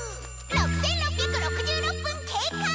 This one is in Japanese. ６６６６分経過！